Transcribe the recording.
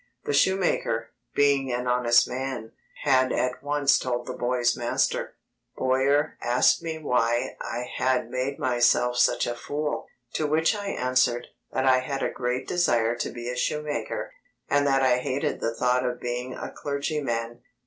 The shoemaker, "being an honest man," had at once told the boy's master: Bowyer asked me why I had made myself such a fool? to which I answered, that I had a great desire to be a shoemaker, and that I hated the thought of being a clergyman.